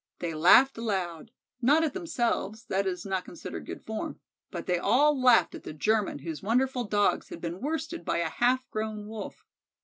They laughed aloud not at themselves, that is not considered good form but they all laughed at the German whose wonderful Dogs had been worsted by a half grown Wolf.